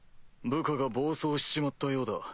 部下が暴走しちまったようだ。